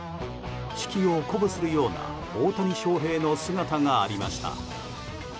士気を鼓舞するような大谷翔平の姿がありました。